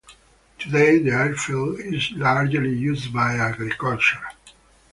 Today the airfield is largely used by agriculture.